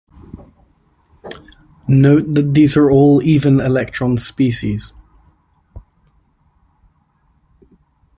Note that these are all even-electron species.